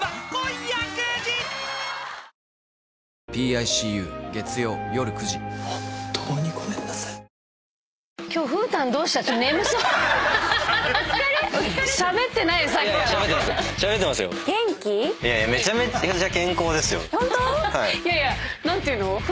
いやいや何ていうの？